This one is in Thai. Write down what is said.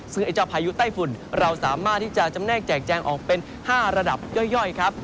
ซึ่งไอ้เจ้าพายุไต้ฝุ่นเราสามารถที่จะจำแนกแจกแจงออกเป็น๕ระดับย่อยครับ